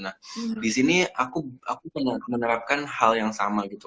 nah disini aku menerapkan hal yang sama gitu